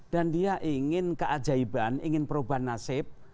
dan dia ingin keajaiban ingin perubahan nasib